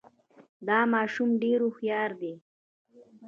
دا ماشوم ډېر هوښیار دی.